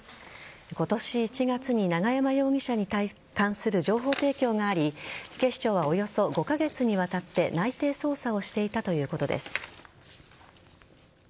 今年１月に永山容疑者に関する情報提供があり警視庁はおよそ５カ月にわたって内偵捜査をしていたということです。